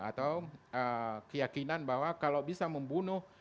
atau keyakinan bahwa kalau bisa membunuh